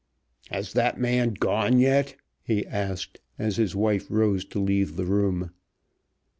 "Has that man gone yet?" he asked as his wife rose to leave the room.